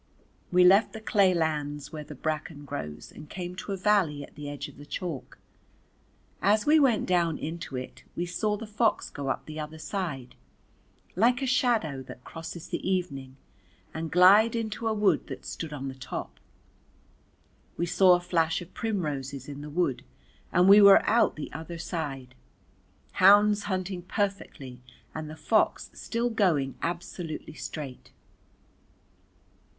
We left the clay lands where the bracken grows and came to a valley at the edge of the chalk. As we went down into it we saw the fox go up the other side like a shadow that crosses the evening, and glide into a wood that stood on the top. We saw a flash of primroses in the wood and we were out the other side, hounds hunting perfectly and the fox still going absolutely straight.